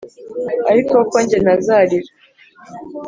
ariko ko nge ntazarira!